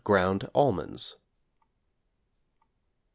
ground almonds. =95.